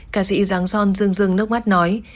ca sĩ giáng son rưng rưng nước mắt nói